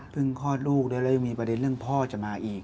คลอดลูกได้แล้วยังมีประเด็นเรื่องพ่อจะมาอีก